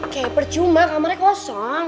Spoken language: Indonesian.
kayak percuma kamarnya kosong